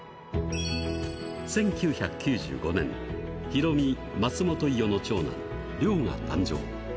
１９９５年、ヒロミ・松本伊代の長男、凌央が誕生。